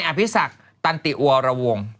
ในอภิษักษ์ตันติอัวรวง